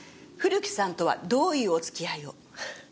古木さんとはどういうお付き合いを？